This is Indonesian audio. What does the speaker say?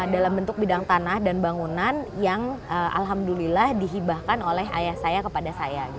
dalam bentuk bidang tanah dan bangunan yang alhamdulillah dihibahkan oleh ayah saya kepada saya